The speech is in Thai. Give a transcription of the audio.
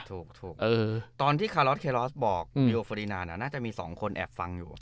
ถูกตอนที่คาลอสเคอรอสบอกวิโรฟอีนาลน่าจะมี๒คนแอบฟังอยู่